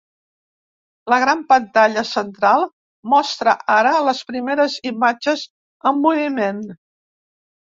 La gran pantalla central mostra ara les primeres imatges en moviment.